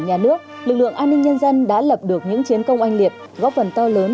nhà nước lực lượng an ninh nhân dân đã lập được những chiến công oanh liệt góp phần to lớn